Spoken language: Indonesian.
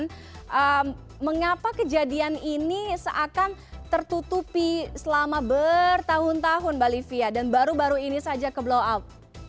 dan mengapa kejadian ini seakan tertutupi selama bertahun tahun mbak livia dan baru baru ini saja ke blow up